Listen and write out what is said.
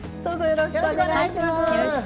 よろしくお願いします。